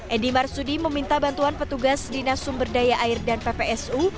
edi marsudi meminta bantuan petugas dinas sumber daya air dan ppsu